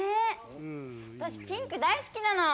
私ピンク大好きなの。